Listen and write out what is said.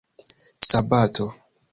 sabato